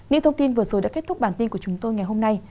những thông tin vừa rồi đã kết thúc bản tin của chúng tôi ngày hôm nay